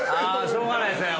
しょうがないですね。